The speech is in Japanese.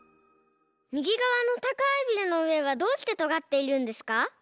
みぎがわのたかいビルのうえがどうしてとがっているんですか？